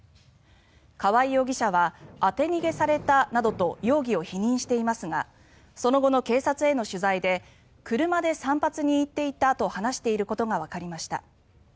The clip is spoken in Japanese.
川合容疑者は当て逃げされたなどと容疑を否認していますがその後の警察への取材で車で散髪に行っていたと話していることがわかりました。